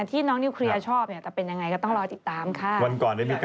ที่น้องนิวเคลียร์ชอบเนี่ยจะเป็นยังไงก็ต้องรอติดตามค่ะ